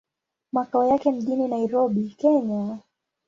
Makao yake mjini Nairobi, Kenya.